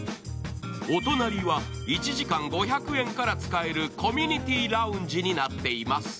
お隣は１時間５００円から使えるコミュニティーラウンジになっています。